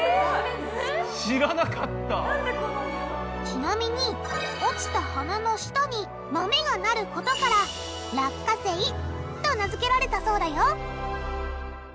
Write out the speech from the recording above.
ちなみに落ちた花の下に豆が生ることから「落花生」と名付けられたそうだよ